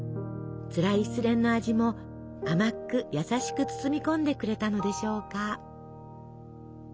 つらい失恋の味も甘く優しく包み込んでくれたのでしょうか。